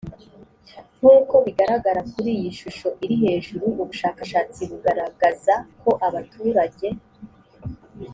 nk uko bigaragara kuri iyi shusho iri hejuru ubushakashatsi buragaragaza ko abaturage